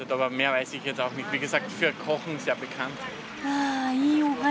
あいいお話。